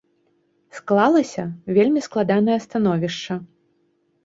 Склалася вельмі складанае становішча.